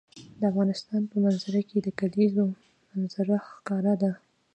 د افغانستان په منظره کې د کلیزو منظره ښکاره ده.